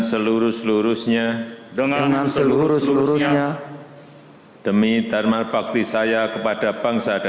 setiap satu setelah vitalis tercampur ke dirumah orden indonesia